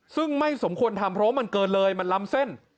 ซึ่งไม่สมควรทำเพราะว่ามันเกินเลยมันล้ำเส้น